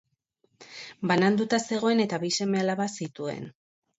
Bananduta zegoen eta bi seme-alaba zituen.